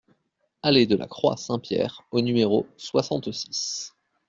Allée de la Croix Saint-Pierre au numéro soixante-six